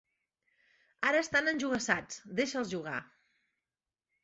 Ara estan enjogassats: deixa'ls jugar.